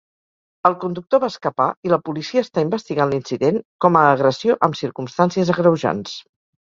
El conductor va escapar i la policia està investigant l'incident com a agressió amb circumstàncies agreujants.